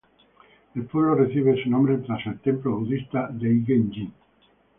El pueblo recibe su nombre tras el templo budista de Eigen-ji.